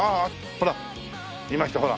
ほらいましたほら。